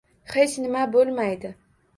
Hech nima bo’lmaydi.